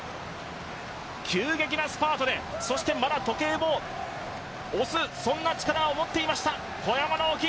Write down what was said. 急激なスパートで、そして時計も押す、そんな力も持っていました、小山直城。